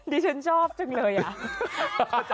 นี่ฉันชอบจังเลยอะ